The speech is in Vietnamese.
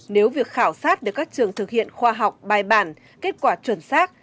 nếu việc khảo sát được các trường thực hiện khoa học bài bản kết quả chuẩn xác